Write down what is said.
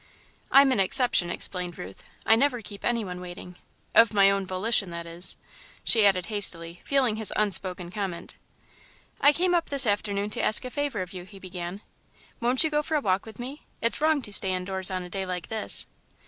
"I'm an exception," explained Ruth; "I never keep any one waiting. Of my own volition, that is," she added, hastily, feeling his unspoken comment. "I came up this afternoon to ask a favour of you," he began. "Won't you go for a walk with me? It's wrong to stay indoors on a day like this."